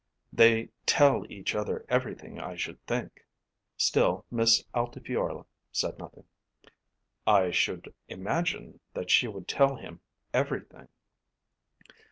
"They tell each other everything I should think." Still Miss Altifiorla said nothing. "I should imagine that she would tell him everything."